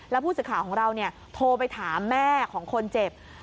แล้วผู้สื่อข่าวของเราโทรไปถามแม่ของคนเจ็บ